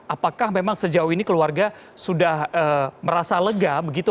apakah memang sejauh ini keluarga sudah merasa lega begitu